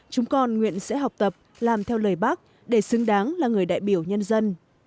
chúng con nguyện sẽ học tập làm theo lời bác để xứng đáng là người đại biểu nhân dân